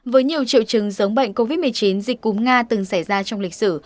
với nhiều triệu chứng giống bệnh covid một mươi chín dịch cúm nga từng xảy ra trong lịch sử